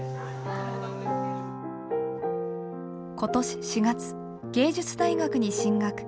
今年４月芸術大学に進学。